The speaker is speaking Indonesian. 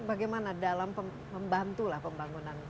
bagaimana dalam membantulah pembangunan pulau laut ini